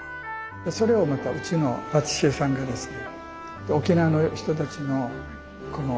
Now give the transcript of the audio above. それをうちのパティシエさんがですね